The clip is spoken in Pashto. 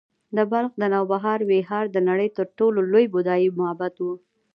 د بلخ د نوبهار ویهار د نړۍ تر ټولو لوی بودایي معبد و